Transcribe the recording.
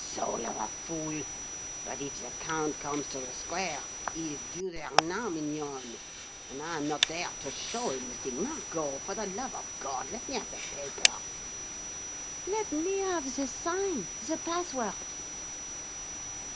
"Soul of a fool! But if the count comes to the square he is due there now, mignonne and I am not there to show him the thing Margot, for the love of God, let me have the paper!" "Let me have the sign, the password!"